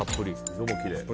色がきれい。